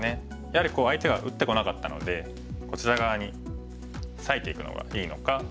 やはり相手が打ってこなかったのでこちら側に裂いていくのがいいのか。